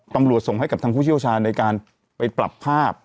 ส่งให้กับทางผู้เชี่ยวชาญในการไปปรับภาพ